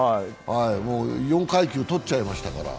もう４階級取っちゃいましたから。